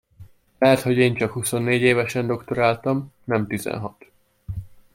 Lehet, hogy én csak huszonnégy évesen doktoráltam, nem tizenhat.